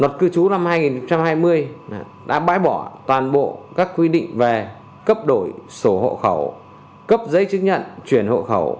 luật cư trú năm hai nghìn hai mươi đã bãi bỏ toàn bộ các quy định về cấp đổi sổ hộ khẩu cấp giấy chứng nhận chuyển hộ khẩu